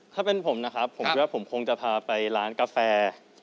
ถ้าเป็นผมนะครับผมคิดว่าผมคงจะพาไปร้านกาแฟ